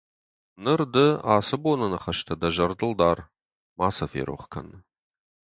Ныр ды ацы боны ныхӕстӕ дӕ зӕрдыл дар, ма сӕ ферох кӕн.